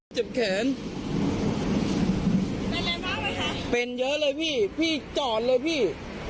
เป็นอะไรมากเลยค่ะเป็นเยอะเลยพี่พี่จอดเลยพี่